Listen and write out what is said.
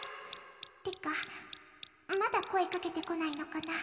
てか、まだ声掛けてこないのかな？